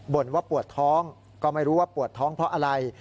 ว่าปวดท้องก็ไม่รู้ว่าปวดท้องเพราะอะไร